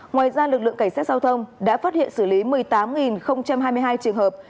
ngoài ra lực lượng cảnh sát giao thông đã phát hiện xử lý một mươi tám hai mươi hai trường hợp